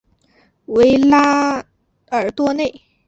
维拉尔多内。